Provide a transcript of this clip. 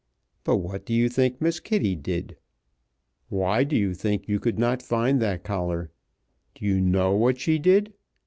But what do you think Miss Kitty did? Why do you think you could not find that collar? Do you know what she did?